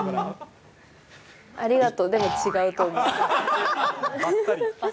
ありがとう、でも違うと思う。